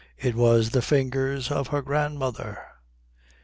It was the fingers of her grandmother.